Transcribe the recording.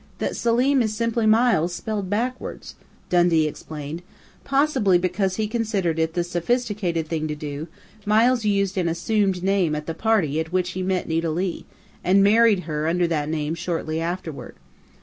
"That Selim is simply Miles spelled backwards," Dundee explained. "Possibly because he considered it the sophisticated thing to do, Miles used an assumed name at the party at which he met Nita Leigh and married her under that name shortly afterward.